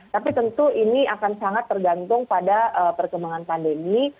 tapi tentu ini akan sangat tergantung pada perkembangan pandemi